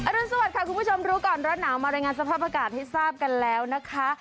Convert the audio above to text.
อรุณสวัสดค่ะคุณผู้ชมรู้ก่อนรถหนาวมารายงานสภาพประกาศที่ทราบกันแล้วนะคะ